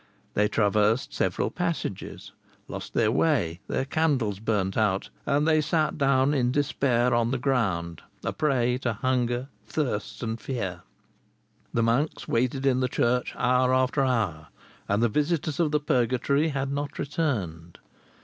They traversed several passages, lost their way, their candles burned out, and they sat down in despair on the ground, a prey to hunger, thirst, and fear. The monks waited in the church hour after hour; and the visitors of the Purgatory had not returned.